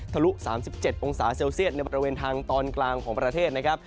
ลุ๓๗องศาเซลเซียตในบริเวณทางตอนกลางของประเทศนะครับ